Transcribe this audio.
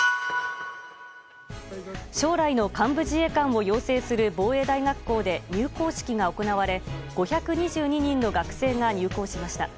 将来の幹部自衛官を要請する防衛大学校で入校式が行われ５２２人の学生が入校しました。